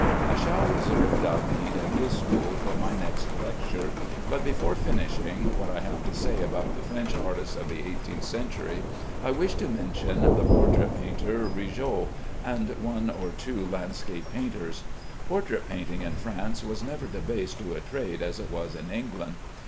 I shall reserve David and his school for my next lecture, but before finishing what I have to say about the French artists of the eighteenth century, I wish to mention the portrait painter Rigaud, and one or two landscape painters. Portrait painting in France was never debased to a trade as it was in England.